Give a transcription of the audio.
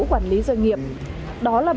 quản lý doanh nghiệp đó là